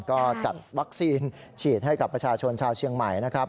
ก็จัดวัคซีนฉีดให้กับประชาชนชาวเชียงใหม่นะครับ